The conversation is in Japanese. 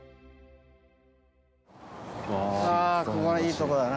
あーここはいいとこだな。